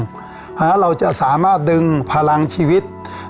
เพราะฉะนั้นเราจะสามารถดึงพลังชีวิต